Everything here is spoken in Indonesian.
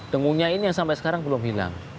dengunya ini yang sampai sekarang belum hilang